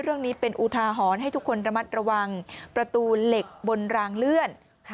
เรื่องนี้เป็นอุทาหรณ์ให้ทุกคนระมัดระวังประตูเหล็กบนรางเลื่อน